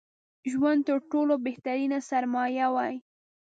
ژوند تر ټولو بهترينه سرمايه وای